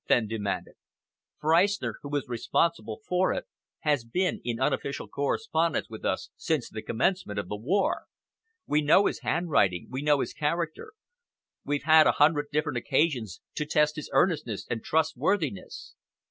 Fenn demanded. "Freistner, who is responsible for it, has been in unofficial correspondence with us since the commencement of the war. We know his handwriting, we know his character, we've had a hundred different occasions to test his earnestness and trustworthiness.